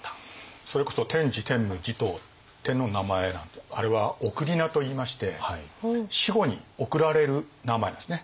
それこそ天智天武持統天皇の名前なんてあれは諡といいまして死後におくられる名前ですね。